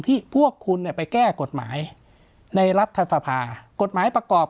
พวกคุณเนี่ยไปแก้กฎหมายในรัฐสภากฎหมายประกอบ